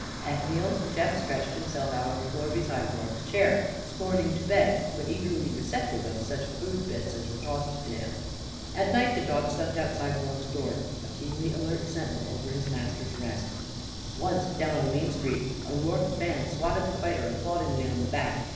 At meals Jeff stretched himself out on the floor beside Rorke's chair, scorning to beg, but eagerly receptive of such food bits as were tossed to him. At night the dog slept outside Rorke's door, a keenly alert sentinel over his master's rest. Once, down on Main Street, a Rorke fan swatted the fighter applaudingly on the back.